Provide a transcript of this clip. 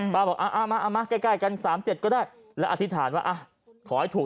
ป้าบอกอ่ามาใกล้กันสามเจ็ดก็ได้และอธิษฐานว่าอ่ะขอให้ถูก